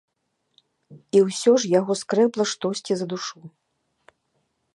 І ўсё ж яго скрэбла штосьці за душу.